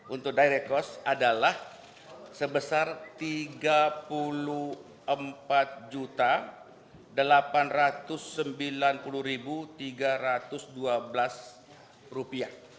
untuk direct cost adalah sebesar rp tiga puluh empat delapan ratus sembilan puluh tiga ratus dua belas